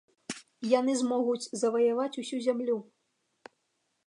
Яны змогуць заваяваць усю зямлю.